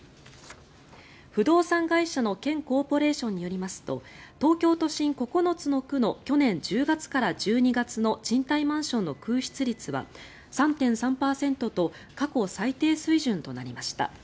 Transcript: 不動産会社のＫＥＮコーポレーションによりますと東京都心９つの区の去年１０月から１２月の賃貸マンションの空室率は３．３％と過去最低水準となりました。